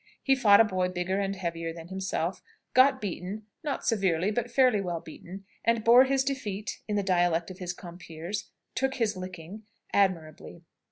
He fought a boy bigger and heavier than himself, got beaten (not severely, but fairly well beaten) and bore his defeat in the dialect of his compeers, "took his licking" admirably.